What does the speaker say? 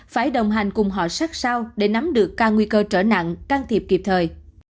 phải đồng hành cùng họ sát sao để nắm được các nguy cơ trở nặng can thiệp kịp thời